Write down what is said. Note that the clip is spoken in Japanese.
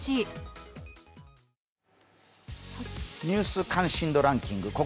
ニュース関心度ランキング